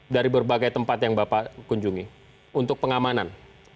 dari berbagai tempat yang bapak kunjungi untuk pengamanan